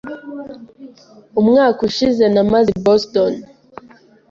Umwaka ushize namaze i Boston.